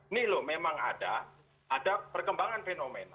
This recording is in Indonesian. ini loh memang ada ada perkembangan fenomena